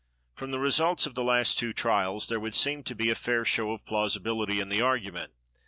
From the results of the last two trials, there would seem to be a fair show of plausibility in the argument.